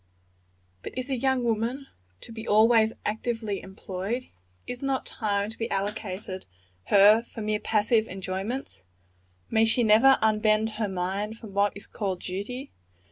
But is a young woman to be always actively employed? Is not time to be allotted her for mere passive enjoyments? May she never unbend her mind from what is called duty?